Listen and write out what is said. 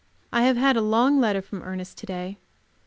I have had a long letter from Ernest to day.